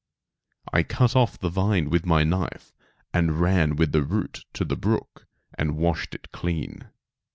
I cut off the vine with my knife, and ran with the root to the brook and washed it clean.